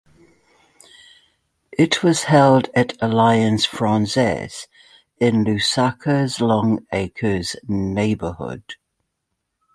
It was held at Alliance Francaise in Lusaka's Longacres neighborhood.